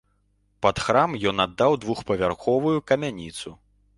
Пад храм ён аддаў двухпавярховую камяніцу.